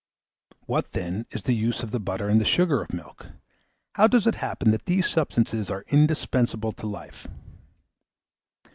What, then, is the use of the butter and the sugar of milk? How does it happen that these substances are indispensable to life?